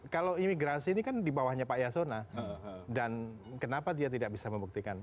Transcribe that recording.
kalau imigrasi ini kan di bawahnya pak yasona dan kenapa dia tidak bisa membuktikan